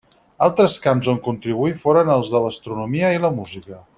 Altres camps on contribuí foren els de l'astronomia i la música.